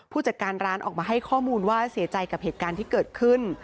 ผู้จัดการร้านออกมาให้ข้อมูลว่าเสียใจกับเหตุการณ์ที่เกิดขึ้น